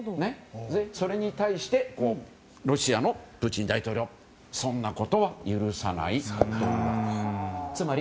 それに対してロシアのプーチン大統領そんなことは許さないというわけです。